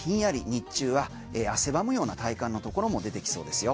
日中は汗ばむような体感のところも出てきそうですよ。